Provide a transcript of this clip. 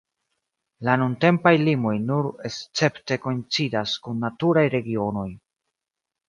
La nuntempaj limoj nur escepte koincidas kun naturaj regionoj.